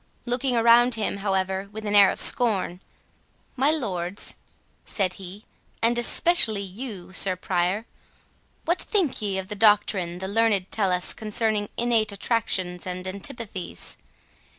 Looking around him, however, with an air of scorn, "My Lords," said he, "and especially you, Sir Prior, what think ye of the doctrine the learned tell us, concerning innate attractions and antipathies?